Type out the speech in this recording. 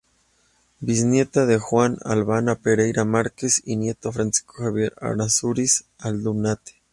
Bisnieto de Juan Albano Pereira Márquez y nieto de Francisco Javier Errázuriz Aldunate.